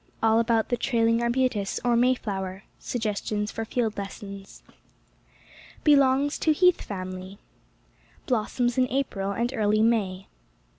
ALL ABOUT THE TRAILING ARBUTUS OR MAYFLOWER SUGGESTIONS FOR FIELD LESSONS Belongs to heath family. Blossoms in April and early May.